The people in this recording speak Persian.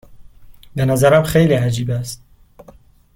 به نظرم خیلی عجیب است.